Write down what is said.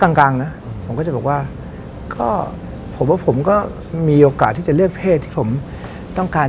กลางกลางนะผมก็จะบอกว่าก็ผมว่าผมก็มีโอกาสที่จะเลือกเพศที่ผมต้องการ